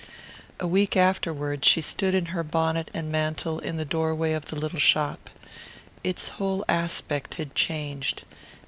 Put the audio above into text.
A week afterward she stood in her bonnet and mantle in the doorway of the little shop. Its whole aspect had changed.